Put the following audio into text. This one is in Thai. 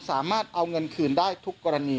สามารถเอาเงินคืนได้ทุกกรณี